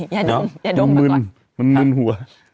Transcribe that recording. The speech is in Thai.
อย่าด้มมาก่อนค่ะมันมึนหัว